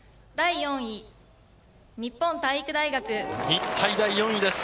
日体大、４位です。